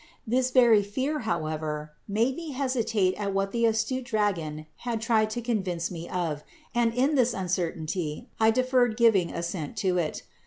This very fear however made me hesitate at what the astute dragon had tried to convince me of and in this uncertainty I deferred giving assent to it.